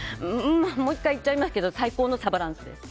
もう１回、言っちゃいますけど最高のサバランスです。